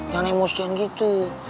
jangan emosian gitu